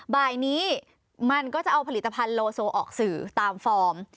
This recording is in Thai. บ่ายนี้มันก็จะเอาผลิตภัณฑ์โลโซออกสื่อตามฟอร์ม